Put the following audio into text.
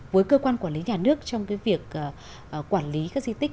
với cơ quan quản lý nhà nước trong việc quản lý các di tích